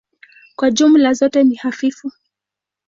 Kwa jumla zote ni hafifu.